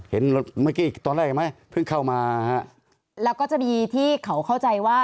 เมื่อกี้ตอนแรกเห็นไหมเพิ่งเข้ามาฮะแล้วก็จะมีที่เขาเข้าใจว่า